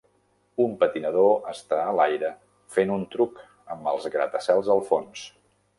Un patinador està a l'aire fent un truc amb els gratacels al fons.